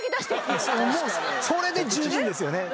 それで十分ですよね。